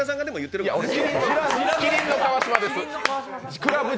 麒麟の川島です。